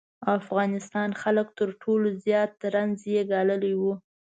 افغانستان خلک تر ټولو زیات رنځ یې ګاللی و.